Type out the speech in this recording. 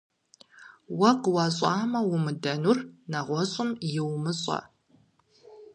Уэ къыуащӀэмэ умыдэнур нэгъуэщӀым йумыщӀэ.